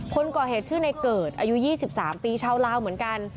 คนก่อเหตุชื่อในเกิดอายุ๒๓ปีชาวลาวเหมือนกัน